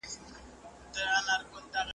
څوک منزل ته نه رسیږي څه ستومانه زندګي ده